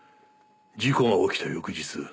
事故が起きた翌日。